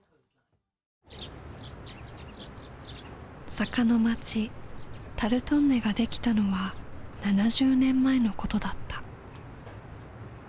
坂の町タルトンネが出来たのは７０年前のことだった。